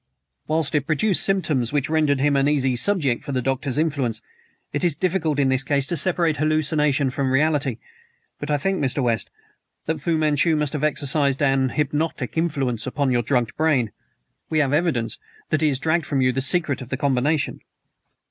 "Whilst it produced symptoms which rendered him an easy subject for the Doctor's influence. It is difficult in this case to separate hallucination from reality, but I think, Mr. West, that Fu Manchu must have exercised an hypnotic influence upon your drugged brain. We have evidence that he dragged from you the secret of the combination."